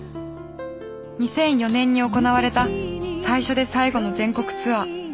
２００４年に行われた最初で最後の全国ツアー。